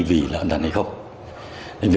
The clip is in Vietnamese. vì lợn đần hay không